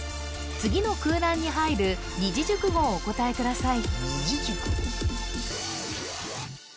次の空欄に入る二字熟語をお答えください